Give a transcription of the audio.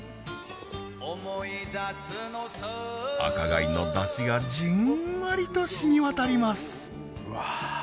赤貝のダシがじんわりと染みわたりますうわ。